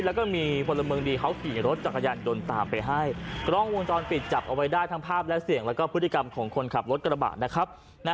แล้วก็มีพลเมืองดีเขาขี่รถจักรยานยนต์ตามไปให้กล้องวงจรปิดจับเอาไว้ได้ทั้งภาพและเสียงแล้วก็พฤติกรรมของคนขับรถกระบะนะครับ